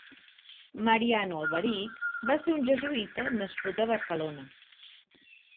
Mariano Alberich va ser un jesuita nascut a Barcelona.